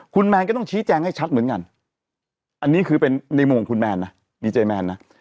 คุณแมนก็ต้องชี้แจงให้ชัดเหมือนกันอันนี้คือเป็นในโมงคุณแมนน่ะ